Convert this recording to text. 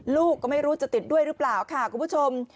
ลูกก็ไม่รู้จะติดด้วยหรือเปล่าค่ะคุณผู้ชม